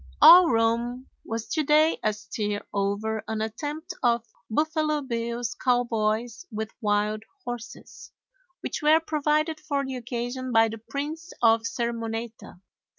All Rome was to day astir over an attempt of Buffalo Bill's cowboys with wild horses, which were provided for the occasion by the Prince of Sermoneta.